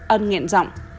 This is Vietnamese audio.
ân nghẹn rọng